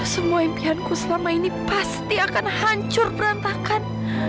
semua impianku selama ini pasti akan hancur berantakan